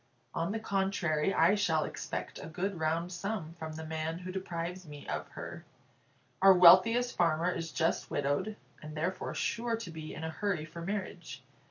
On the contrary, I shall expect a good round sum from the man who deprives me of her. Our wealthiest farmer is just widowed, and therefore sure to be in a hurry for marriage.